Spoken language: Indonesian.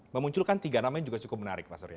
memunculkan tiga namanya juga cukup menarik pak surya